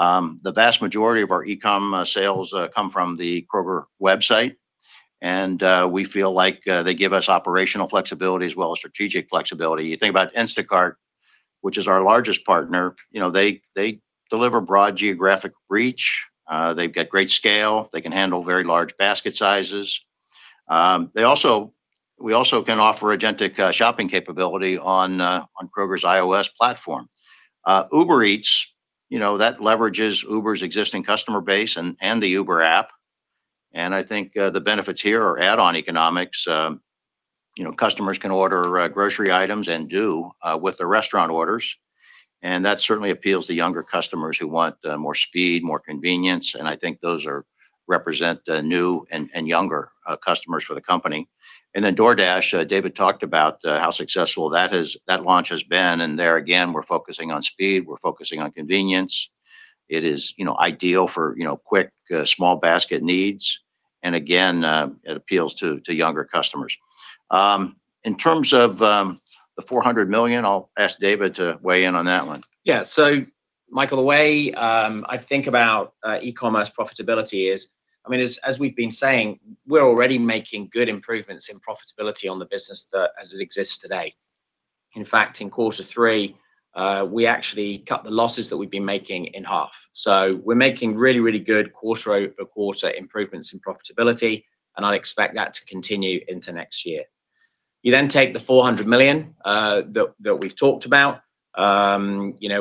The vast majority of our e-commerce sales come from the Kroger website, and we feel like they give us operational flexibility as well as strategic flexibility. You think about Instacart, which is our largest partner. They deliver broad geographic reach. They've got great scale. They can handle very large basket sizes. We also can offer agentic shopping capability on Kroger's iOS platform. Uber Eats, that leverages Uber's existing customer base and the Uber app, and I think the benefits here are add-on economics. Customers can order grocery items and do with the restaurant orders, and that certainly appeals to younger customers who want more speed, more convenience. I think those represent new and younger customers for the company. Then DoorDash, David talked about how successful that launch has been. There again, we're focusing on speed. We're focusing on convenience. It is ideal for quick, small basket needs. Again, it appeals to younger customers. In terms of the $400 million, I'll ask David to weigh in on that one. Yeah. So Michael, the way I think about e-commerce profitability is, I mean, as we've been saying, we're already making good improvements in profitability on the business as it exists today. In fact, in quarter three, we actually cut the losses that we've been making in half, so we're making really, really good quarter-over-quarter improvements in profitability, and I'd expect that to continue into next year. You then take the $400 million that we've talked about,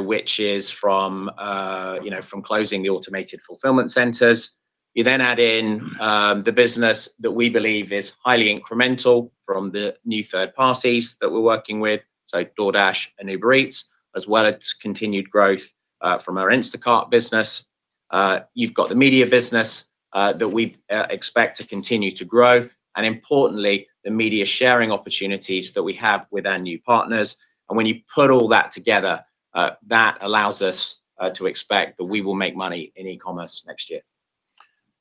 which is from closing the automated fulfillment centers. You then add in the business that we believe is highly incremental from the new third parties that we're working with, so DoorDash and Uber Eats, as well as continued growth from our Instacart business. You've got the media business that we expect to continue to grow, and importantly, the media sharing opportunities that we have with our new partners, and when you put all that together, that allows us to expect that we will make money in e-commerce next year.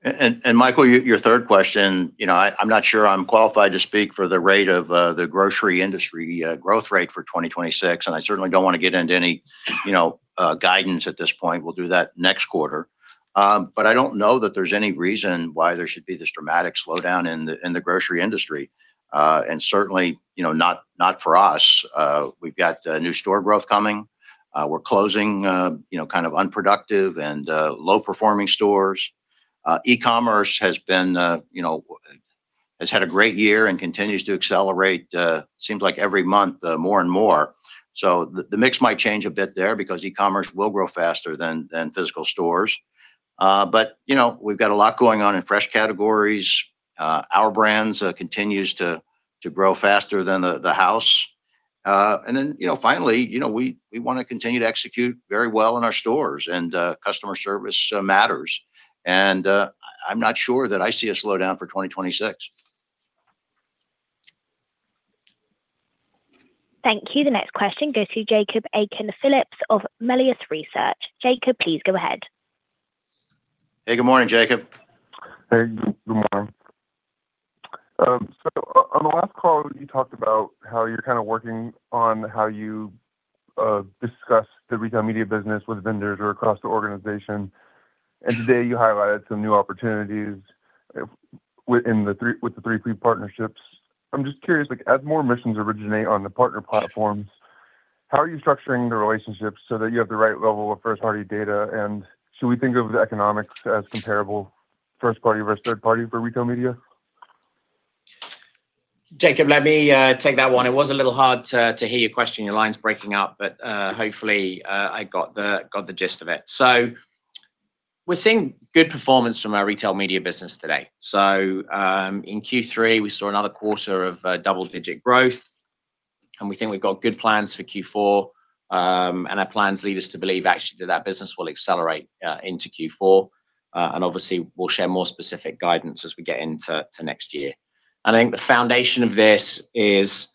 And Michael, your third question, I'm not sure I'm qualified to speak for the rate of the grocery industry growth rate for 2026, and I certainly don't want to get into any guidance at this point. We'll do that next quarter, but I don't know that there's any reason why there should be this dramatic slowdown in the grocery industry, and certainly not for us. We've got new store growth coming. We're closing kind of unproductive and low-performing stores. E-commerce has had a great year and continues to accelerate. It seems like every month, more and more. So the mix might change a bit there because e-commerce will grow faster than physical stores. But we've got a lot going on in fresh categories. Our Brands continue to grow faster than the house. And then finally, we want to continue to execute very well in our stores, and customer service matters. And I'm not sure that I see a slowdown for 2026. Thank you. The next question goes to Jacob Aiken-Phillips of Melius Research. Jacob, please go ahead. Hey, good morning, Jacob. Hey, good morning. So on the last call, you talked about how you're kind of working on how you discuss the retail media business with vendors or across the organization. Today, you highlighted some new opportunities with the third-party partnerships. I'm just curious, as more missions originate on the partner platforms, how are you structuring the relationships so that you have the right level of first-party data? And should we think of the economics as comparable first-party versus third-party for retail media? Jacob, let me take that one. It was a little hard to hear your question. Your line's breaking up, but hopefully, I got the gist of it. So we're seeing good performance from our retail media business today. So in Q3, we saw another quarter of double-digit growth, and we think we've got good plans for Q4. And our plans lead us to believe, actually, that that business will accelerate into Q4. And obviously, we'll share more specific guidance as we get into next year. And I think the foundation of this is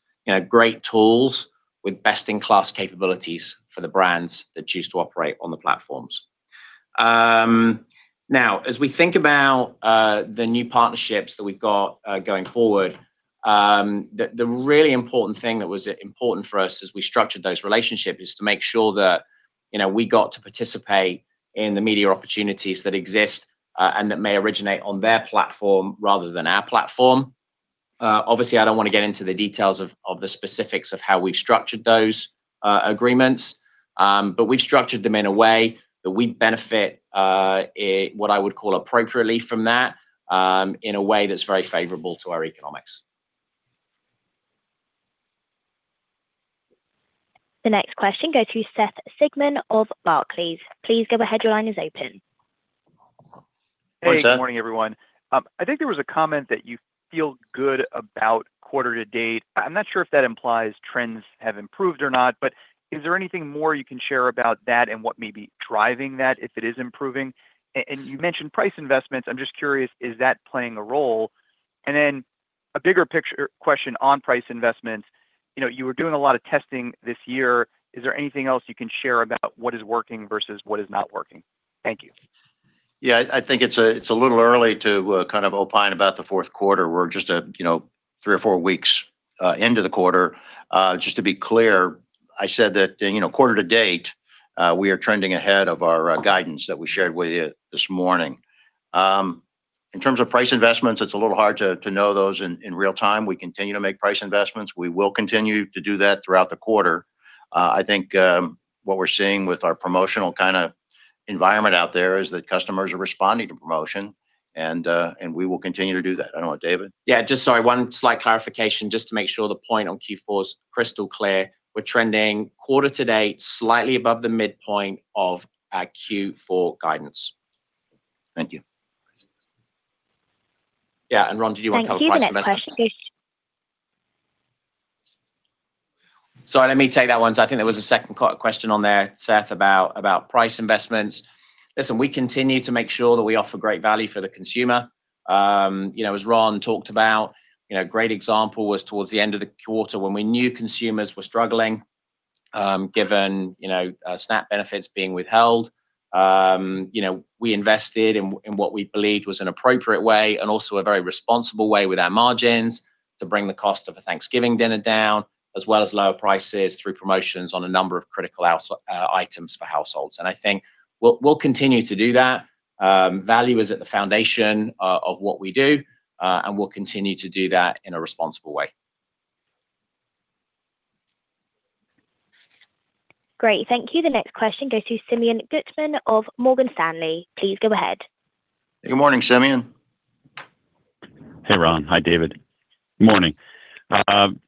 great tools with best-in-class capabilities for the brands that choose to operate on the platforms. Now, as we think about the new partnerships that we've got going forward, the really important thing that was important for us as we structured those relationships is to make sure that we got to participate in the media opportunities that exist and that may originate on their platform rather than our platform. Obviously, I don't want to get into the details of the specifics of how we've structured those agreements, but we've structured them in a way that we benefit, what I would call, appropriately from that in a way that's very favorable to our economics. The next question goes to Seth Sigman of Barclays. Please go ahead. Your line is open. Hey, Seth. Good morning, everyone. I think there was a comment that you feel good about quarter-to-date. I'm not sure if that implies trends have improved or not, but is there anything more you can share about that and what may be driving that if it is improving? And you mentioned price investments. I'm just curious, is that playing a role? And then a bigger question on price investments. You were doing a lot of testing this year. Is there anything else you can share about what is working versus what is not working? Thank you. Yeah, I think it's a little early to kind of opine about the fourth quarter. We're just three or four weeks into the quarter. Just to be clear, I said that quarter-to-date, we are trending ahead of our guidance that we shared with you this morning. In terms of price investments, it's a little hard to know those in real time. We continue to make price investments. We will continue to do that throughout the quarter. I think what we're seeing with our promotional kind of environment out there is that customers are responding to promotion, and we will continue to do that. I don't know what, David. Yeah, just sorry, one slight clarification just to make sure the point on Q4 is crystal clear. We're trending quarter-to-date slightly above the midpoint of our Q4 guidance. Thank you. Yeah, and Ron, did you want to cover price investments? Sorry, let me take that one. So I think there was a second question on there, Seth, about price investments. Listen, we continue to make sure that we offer great value for the consumer. As Ron talked about, a great example was towards the end of the quarter when we knew consumers were struggling, given SNAP benefits being withheld. We invested in what we believed was an appropriate way and also a very responsible way with our margins to bring the cost of a Thanksgiving dinner down, as well as lower prices through promotions on a number of critical items for households, and I think we'll continue to do that. Value is at the foundation of what we do, and we'll continue to do that in a responsible way. Great. Thank you. The next question goes to Simeon Gutman of Morgan Stanley. Please go ahead. Hey, good morning, Simeon. Hey, Ron. Hi, David. Good morning.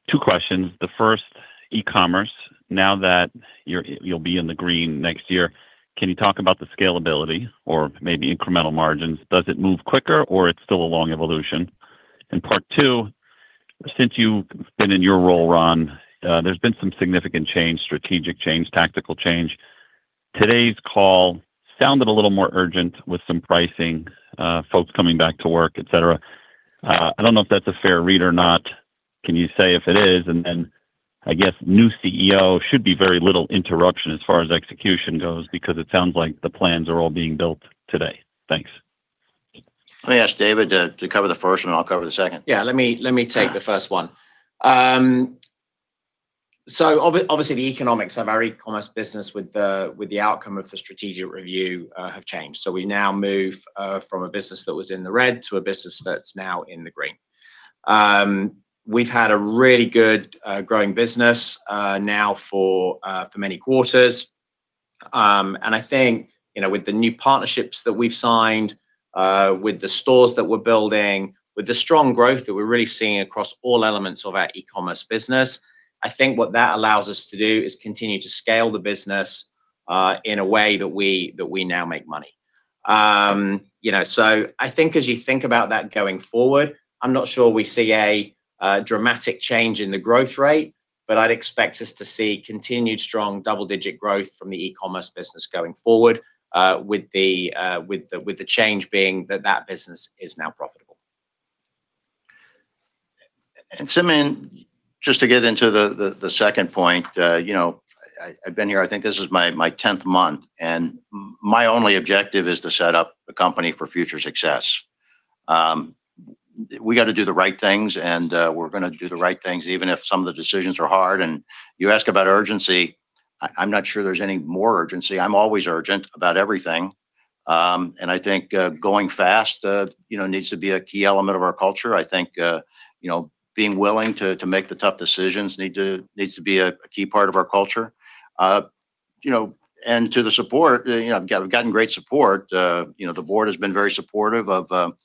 Two questions. The first, e-commerce, now that you'll be in the green next year, can you talk about the scalability or maybe incremental margins? Does it move quicker, or it's still a long evolution? And part two, since you've been in your role, Ron, there's been some significant change, strategic change, tactical change. Today's call sounded a little more urgent with some pricing, folks coming back to work, etc. I don't know if that's a fair read or not. Can you say if it is? And then I guess new CEO should be very little interruption as far as execution goes because it sounds like the plans are all being built today. Thanks. Let me ask David to cover the first, and I'll cover the second. Yeah, let me take the first one. So obviously, the economics of our e-commerce business with the outcome of the strategic review have changed. So we now move from a business that was in the red to a business that's now in the green. We've had a really good growing business now for many quarters. And I think with the new partnerships that we've signed, with the stores that we're building, with the strong growth that we're really seeing across all elements of our e-commerce business, I think what that allows us to do is continue to scale the business in a way that we now make money. So I think as you think about that going forward, I'm not sure we see a dramatic change in the growth rate, but I'd expect us to see continued strong double-digit growth from the e-commerce business going forward, with the change being that that business is now profitable. And Simeon, just to get into the second point, I've been here, I think this is my tenth month, and my only objective is to set up a company for future success. We got to do the right things, and we're going to do the right things even if some of the decisions are hard. And you ask about urgency, I'm not sure there's any more urgency. I'm always urgent about everything. And I think going fast needs to be a key element of our culture. I think being willing to make the tough decisions needs to be a key part of our culture. And to the support, we've gotten great support. The board has been very supportive of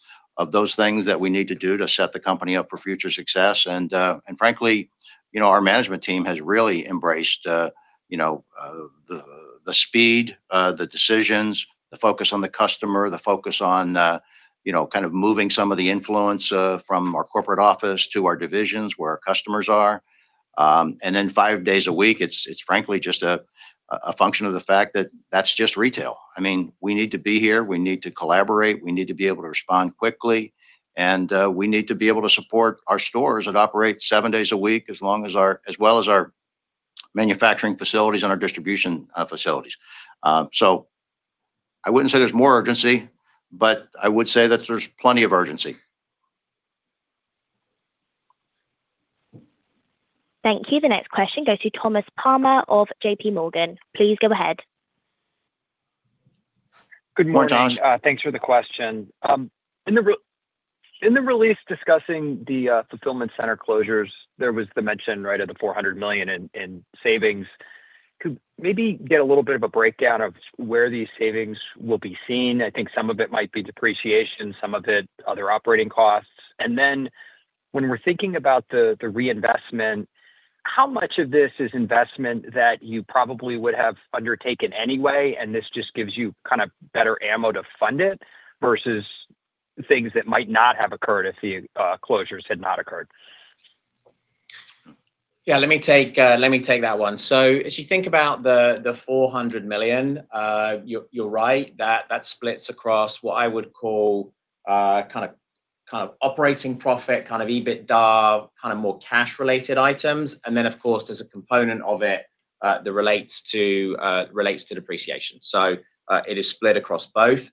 those things that we need to do to set the company up for future success. And frankly, our management team has really embraced the speed, the decisions, the focus on the customer, the focus on kind of moving some of the influence from our corporate office to our divisions where our customers are. Then five days a week, it's frankly just a function of the fact that that's just retail. I mean, we need to be here. We need to collaborate. We need to be able to respond quickly. And we need to be able to support our stores that operate seven days a week as well as our manufacturing facilities and our distribution facilities. So I wouldn't say there's more urgency, but I would say that there's plenty of urgency. Thank you. The next question goes to Thomas Palmer of JPMorgan. Please go ahead. Good morning. Thanks for the question. In the release discussing the fulfillment center closures, there was the mention right of the $400 million in savings. Could we maybe get a little bit of a breakdown of where these savings will be seen? I think some of it might be depreciation, some of it other operating costs. And then when we're thinking about the reinvestment, how much of this is investment that you probably would have undertaken anyway, and this just gives you kind of better ammo to fund it versus things that might not have occurred if the closures had not occurred? Yeah, let me take that one. So as you think about the $400 million, you're right. That splits across what I would call kind of operating profit, kind of EBITDA, kind of more cash-related items. And then, of course, there's a component of it that relates to depreciation. So it is split across both.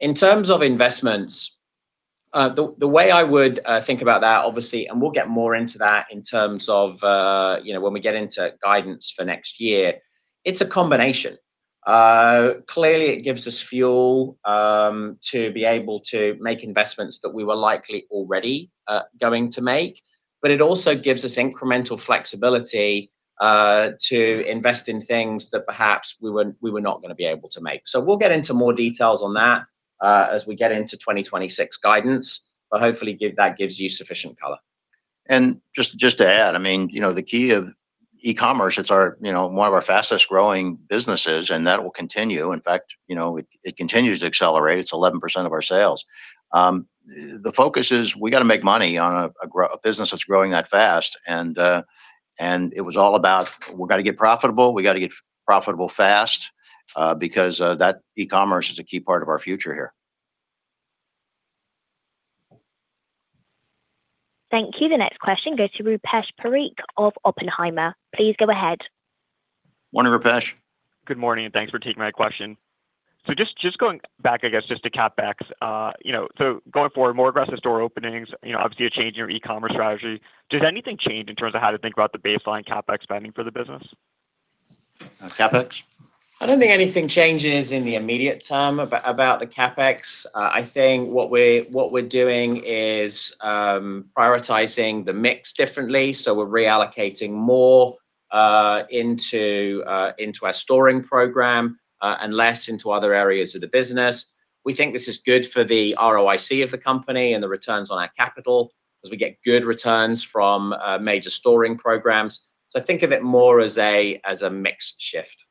In terms of investments, the way I would think about that, obviously, and we'll get more into that in terms of when we get into guidance for next year, it's a combination. Clearly, it gives us fuel to be able to make investments that we were likely already going to make, but it also gives us incremental flexibility to invest in things that perhaps we were not going to be able to make. So we'll get into more details on that as we get into 2026 guidance, but hopefully, that gives you sufficient color. And just to add, I mean, the key of e-commerce, it's one of our fastest-growing businesses, and that will continue. In fact, it continues to accelerate. It's 11% of our sales. The focus is we got to make money on a business that's growing that fast. And it was all about we got to get profitable. We got to get profitable fast because that e-commerce is a key part of our future here. Thank you. The next question goes to Rupesh Parikh of Oppenheimer. Please go ahead. Morning, Rupesh. Good morning. Thanks for taking my question. So just going back, I guess, just to CapEx, so going forward, more aggressive store openings, obviously a change in your e-commerce strategy. Does anything change in terms of how to think about the baseline CapEx spending for the business? CapEx? I don't think anything changes in the immediate term about the CapEx. I think what we're doing is prioritizing the mix differently. So we're reallocating more into our store program and less into other areas of the business. We think this is good for the ROIC of the company and the returns on our capital because we get good returns from major store programs. So think of it more as a mix shift.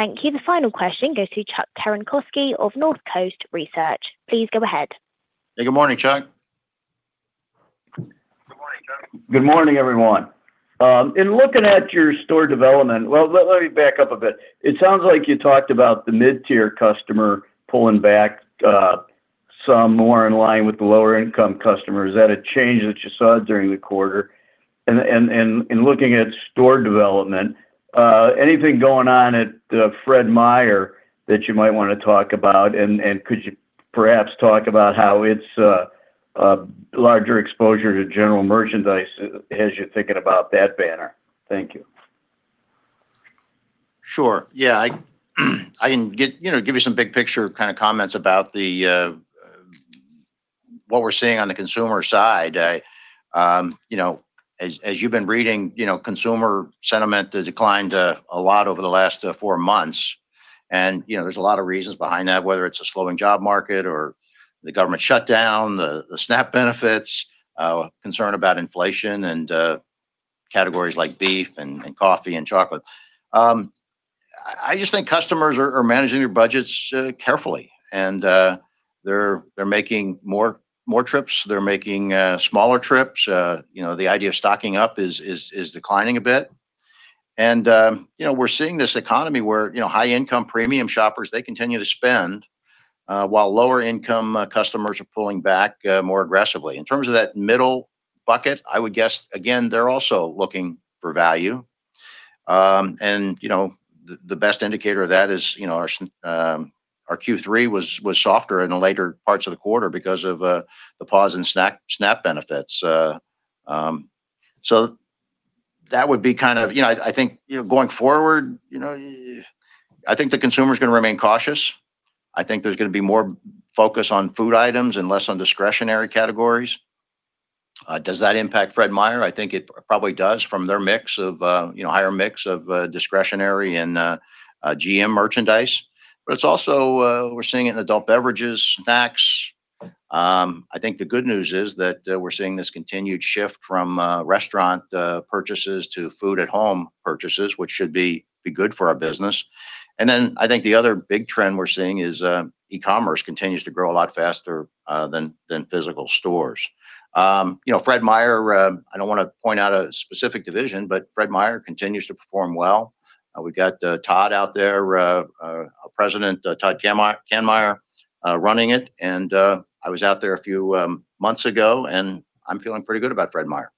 Thank you. The final question goes to Chuck Cerankosky of Northcoast Research. Please go ahead. Hey, good morning, Chuck. Good morning, Chuck. Good morning, everyone. In looking at your store development, well, let me back up a bit. It sounds like you talked about the mid-tier customer pulling back some more in line with the lower-income customers. Is that a change that you saw during the quarter? And in looking at store development, anything going on at Fred Meyer that you might want to talk about? And could you perhaps talk about how its larger exposure to general merchandise has you thinking about that banner? Thank you. Sure. Yeah. I can give you some big picture kind of comments about what we're seeing on the consumer side. As you've been reading, consumer sentiment has declined a lot over the last four months. And there's a lot of reasons behind that, whether it's a slowing job market or the government shutdown, the SNAP benefits, concern about inflation, and categories like beef and coffee and chocolate. I just think customers are managing their budgets carefully, and they're making more trips. They're making smaller trips. The idea of stocking up is declining a bit, and we're seeing this economy where high-income premium shoppers, they continue to spend while lower-income customers are pulling back more aggressively. In terms of that middle bucket, I would guess, again, they're also looking for value, and the best indicator of that is our Q3 was softer in the later parts of the quarter because of the pause in SNAP benefits, so that would be kind of, I think, going forward, I think the consumer is going to remain cautious. I think there's going to be more focus on food items and less on discretionary categories. Does that impact Fred Meyer? I think it probably does from their mix of higher mix of discretionary and GM merchandise. But it's also we're seeing it in adult beverages, snacks. I think the good news is that we're seeing this continued shift from restaurant purchases to food-at-home purchases, which should be good for our business. And then I think the other big trend we're seeing is e-commerce continues to grow a lot faster than physical stores. Fred Meyer, I don't want to point out a specific division, but Fred Meyer continues to perform well. We've got Todd out there, our president, Todd Kammeyer, running it. And I was out there a few months ago, and I'm feeling pretty good about Fred Meyer.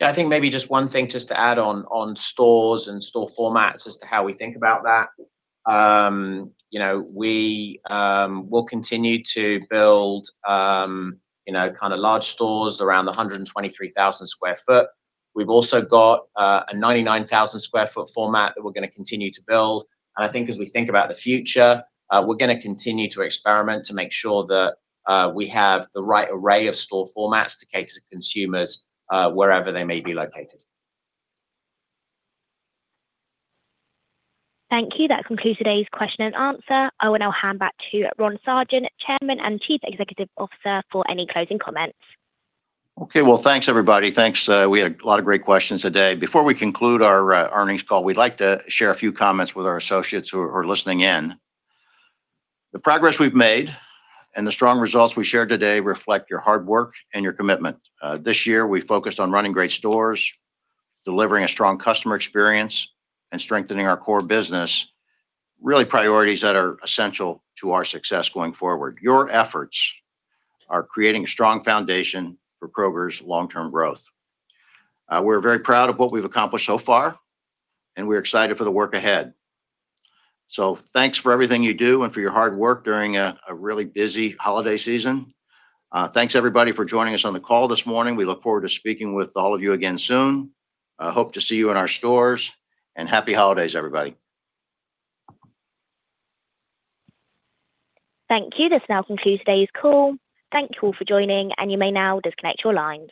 Yeah, I think maybe just one thing just to add on stores and store formats as to how we think about that. We will continue to build kind of large stores around the 123,000 sq ft. We've also got a 99,000 sq ft format that we're going to continue to build, and I think as we think about the future, we're going to continue to experiment to make sure that we have the right array of store formats to cater to consumers wherever they may be located. Thank you. That concludes today's question and answer. I will now hand back to Ron Sargent, Chairman and Chief Executive Officer, for any closing comments. Okay. Well, thanks, everybody. Thanks. We had a lot of great questions today. Before we conclude our earnings call, we'd like to share a few comments with our associates who are listening in. The progress we've made and the strong results we shared today reflect your hard work and your commitment. This year, we focused on running great stores, delivering a strong customer experience, and strengthening our core business, really priorities that are essential to our success going forward. Your efforts are creating a strong foundation for Kroger's long-term growth. We're very proud of what we've accomplished so far, and we're excited for the work ahead. So thanks for everything you do and for your hard work during a really busy holiday season. Thanks, everybody, for joining us on the call this morning. We look forward to speaking with all of you again soon. I hope to see you in our stores, and happy holidays, everybody. Thank you. This now concludes today's call. Thank you all for joining, and you may now disconnect your line.